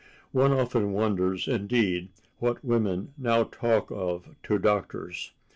One often wonders, indeed, what women now talk of to doctors....